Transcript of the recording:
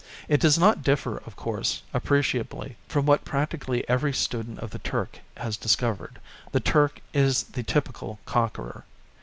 It does not differ, of course, appreciably, from what practically every student of the Turk has discovered: the Turk is the typical conqueror.